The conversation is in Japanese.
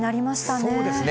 そうですね。